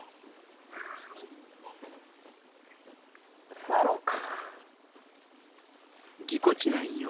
座ろうか。